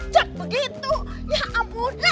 cek begitu ya ampun